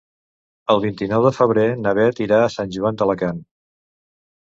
El vint-i-nou de febrer na Bet irà a Sant Joan d'Alacant.